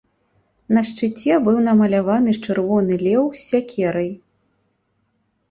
На шчыце быў намаляваны чырвоны леў з сякерай.